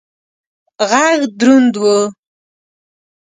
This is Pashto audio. غږ دروند و.